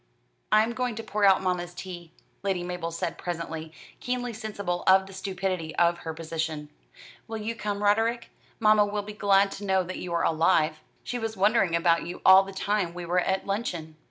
"I am going to pour out mamma's tea," Lady Mabel said presently, keenly sensible of the stupidity of her position. "Will you come, Roderick? Mamma will be glad to know that you are alive. She was wondering about you all the time we were at luncheon."